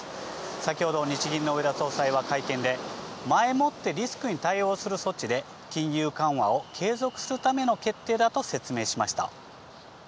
先ほど、日銀の植田総裁は会見で、前もってリスクに対応する措置で、金融緩和を継続するための決定だと説明しました。